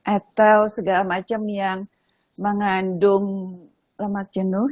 atau segala macam yang mengandung lemak jenuh